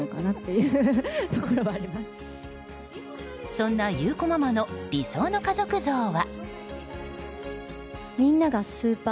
そんな優子ママの理想の家族像は？